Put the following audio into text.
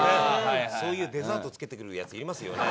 そういうデザートつけてくるヤツいますよね。